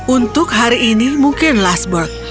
untuk hari ini mungkin lastburg